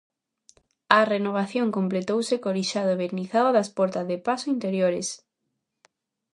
A renovación completouse co lixado e vernizado das portas de paso interiores.